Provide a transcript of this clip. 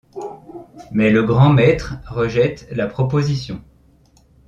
Mais le grand maître rejette la proposition.